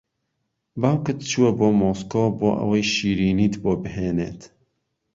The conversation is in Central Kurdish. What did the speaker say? باوکت چووە بۆ مۆسکۆ بۆ ئەوەی شیرینیت بۆ بھێنێت